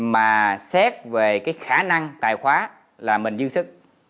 mà xét về cái khả năng tài khoá là mình dư sức